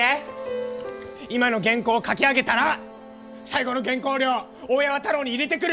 今の原稿書き上げたら最後の原稿料大八幡楼に入れてくる！